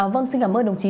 vâng xin cảm ơn đồng chí